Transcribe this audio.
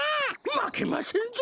まけませんぞ！